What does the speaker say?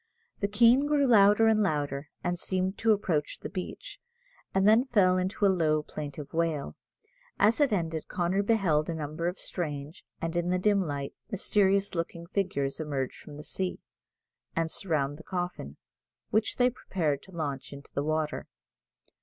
The Keen grew louder and louder, and seemed to approach the beach, and then fell into a low, plaintive wail. As it ended Connor beheld a number of strange and, in the dim light, mysterious looking figures emerge from the sea, and surround the coffin, which they prepared to launch into the water.